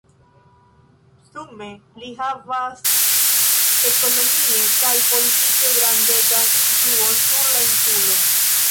Sume li havas ekonomie kaj politike grandegan influon sur la insulo.